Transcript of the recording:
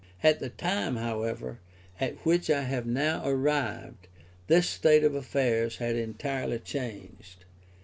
At the time, however, at which I have now arrived, this state of affairs had entirely changed.